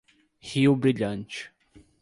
Rio Brilhante